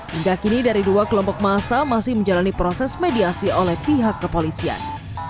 hingga kini dari dua kelompok massa masih menjalani proses mediasi oleh pihak kepolisian